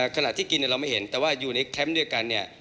ขณะที่กินเราไม่เห็นแต่ว่าอยู่ในแคมป์ด้วยกันเนี่ย